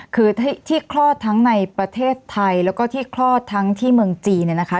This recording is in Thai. คือที่คลอดทั้งในประเทศไทยแล้วก็ที่คลอดทั้งที่เมืองจีนเนี่ยนะคะ